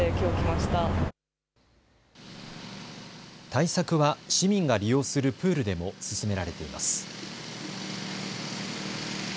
対策は市民が利用するプールでも進められています。